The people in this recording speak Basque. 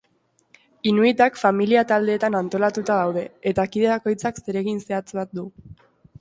Inuitak familia-taldeetan antolatuta daude, eta kide bakoitzak zeregin zehatz bat du.